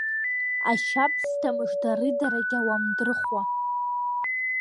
Ашьабсҭа мыжда арыдарагь ауамдырхуа.